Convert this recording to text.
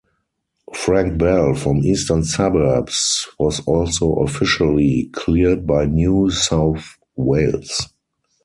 Frank Bell from Eastern Suburbs was also officially cleared by New South Wales.